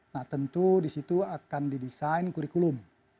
nah tentu disitu akan didesain kurikulum